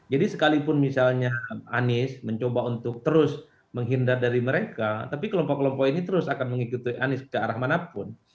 jadi sekalipun misalnya anies mencoba untuk terus menghindar dari mereka tapi kelompok kelompok ini terus akan mengikuti anies ke arah manapun